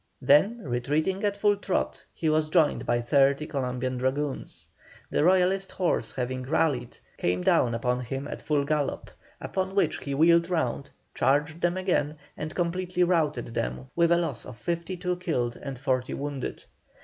Then retreating at full trot, he was joined by thirty Columbian dragoons. The Royalist horse having rallied, came down upon him at full gallop, upon which he wheeled round, charged them again, and completely routed them, with a loss of 52 killed and 40 wounded.